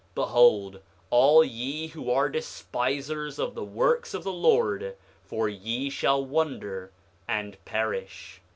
Behold, all ye who are despisers of the works of the Lord, for ye shall wonder and perish.